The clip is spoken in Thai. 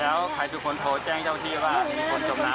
แล้วใครเป็นคนโทรแจ้งเจ้าที่ว่ามีคนจมน้ำ